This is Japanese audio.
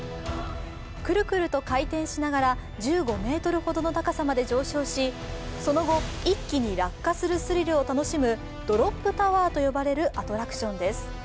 くるくると回転しながら１５ｍほどの高さまで上昇しその後、一気に落下するスリルを楽しむドロップ・タワーと呼ばれるアトラクションです。